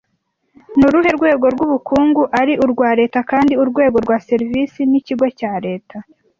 Ni uruhe rwego rw'ubukungu ari urwa Leta kandi urwego rwa serivisi ni ikigo cya Leta